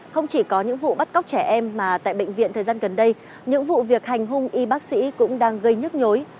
không chỉ có những vụ bắt cóc trẻ em mà tại bệnh viện thời gian gần đây những vụ việc hành hung y bác sĩ cũng đang gây nhức nhối